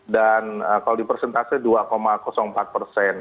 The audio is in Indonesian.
dan kalau di persentase dua empat persen